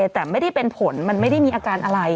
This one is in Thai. แต่ไม่ได้เป็นผลมันไม่ได้มีอาการอะไร